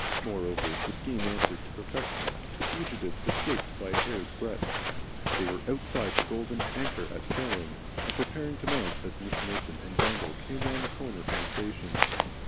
Moreover, the scheme answered to perfection. The fugitives escaped by a hair's breadth. They were outside the Golden Anchor at Fareham, and preparing to mount, as Mrs. Milton and Dangle came round the corner from the station.